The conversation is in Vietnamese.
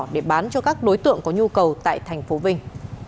để bán cho các đối tượng có nhu cầu tại tp vinh